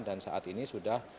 dan saat ini sudah